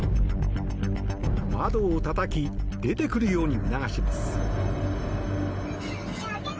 窓をたたき出てくるように促します。